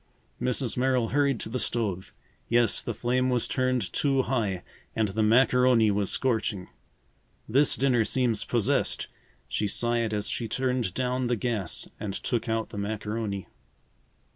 Mrs. Merrill hurried to the stove. Yes, the flame was turned too high and the macaroni was scorching. "This dinner seems possessed," she sighed as she turned down the gas and took out the macaroni.